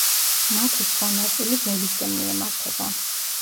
მათი სხვა ნაწილი ველისკენ მიემართება.